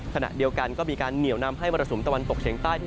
ขณะเดียวกันก็มีการเหนียวนำให้มรสุมตะวันตกเฉียงใต้